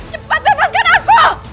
cepat bebaskan aku